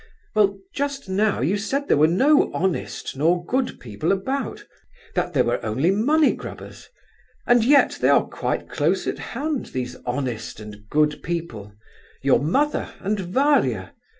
"Well, just now you said there were no honest nor good people about, that there were only money grubbers—and here they are quite close at hand, these honest and good people, your mother and Varia!